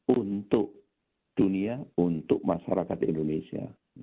untuk dunia untuk masyarakat indonesia